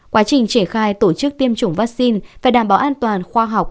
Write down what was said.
quá trình triển khai tổ chức tiêm chủng vaccine phải đảm bảo an toàn khoa học